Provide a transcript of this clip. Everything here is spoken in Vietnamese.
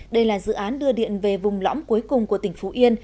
đây là dự án đưa điện về vùng lõm cuối cùng của tỉnh phú yên